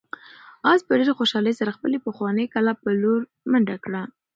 آس په ډېرې خوشحالۍ سره د خپلې پخوانۍ کلا په لور منډه کړه.